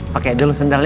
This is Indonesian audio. pakai dulu sendalnya